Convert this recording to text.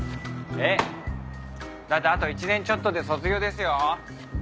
えっだってあと１年ちょっとで卒業ですよ。